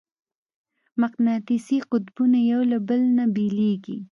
مقناطیسي قطبونه یو له بله نه بېلېږي.